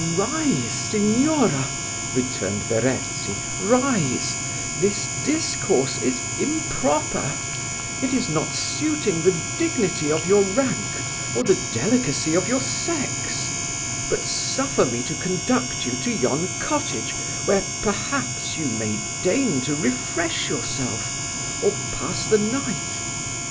"Rise, Signora," returned Verezzi "rise; this discourse is improper it is not suiting the dignity of your rank, or the delicacy of your sex: but suffer me to conduct you to yon cottage, where, perhaps, you may deign to refresh yourself, or pass the night."